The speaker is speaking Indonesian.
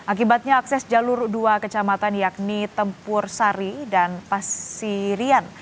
akibatnya akses jalur dua kecamatan yakni tempur sari dan pasirian